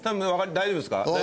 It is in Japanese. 大丈夫そうですか？